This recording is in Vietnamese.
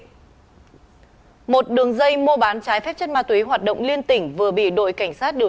một đường dây mua bán trái phép chất ma túy hoạt động liên tỉnh vừa bị đội cảnh sát điều